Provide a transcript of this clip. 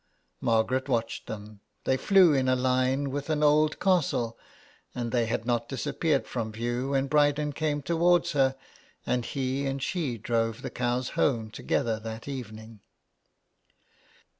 Margaret watched them ; they flew in a line with an old castle ; and they had not disappeared from view when Bryden came toward her, and he and she drove the cows home together that evening.